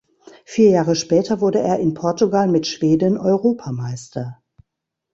Vier Jahre später wurde er in Portugal mit Schweden Europameister.